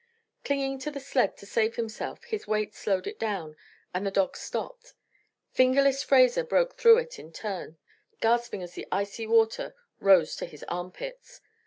Clinging to the sled to save himself, his weight slowed it down, and the dogs stopped. "Fingerless" Fraser broke through in turn, gasping as the icy water rose to his armpits.